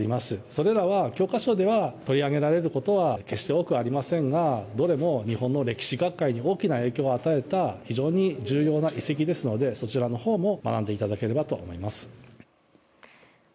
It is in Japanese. それらは教科書では取り上げられることは決して多くはありませんがどれも日本の歴史学会に大きな影響を与えた非常に重要な遺跡ですのでそちらのほうも学んでいただければと思います。